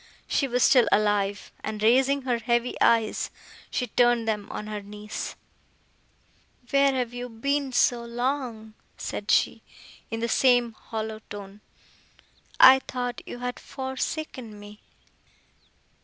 She was still alive, and, raising her heavy eyes, she turned them on her niece. "Where have you been so long?" said she, in the same tone, "I thought you had forsaken me."